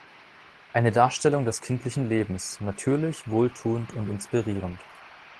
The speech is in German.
Eine Darstellung des kindlichen Lebens, natürlich, wohltuend und inspirierend.